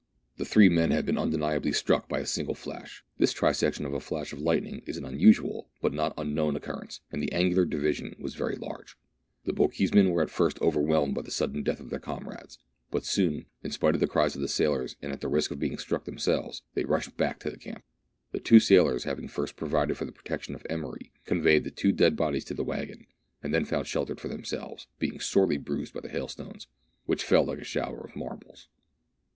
The three men had been undeniably struck by a single flash. This trisection of a flash of lightning is an unusual but not unknown occur rence, and the angular division was very large. The Boch jesmen were at first overwhelmed by the sudden death of their comrades, but soon, in spite of the cries of the sailors and at the risk of being struck themselves, they rushed back to the camp. The two sailors, having first provided for the protection of Emery, conveyed the two dead bodies to the waggon, and then found shelter for themselves, being sorely bruised by the hailstones, which fell like a shower of marbles.